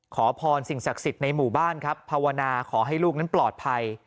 ขอพรสิ่งศักดิ์สิทธิ์ในหมู่บ้านครับภาวนาขอให้ลูกนั้นปลอดภัย